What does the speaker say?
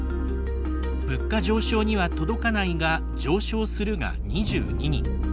「物価上昇には届かないが上昇する」が２２人。